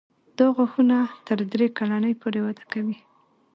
دا غاښونه تر درې کلنۍ پورې وده کوي.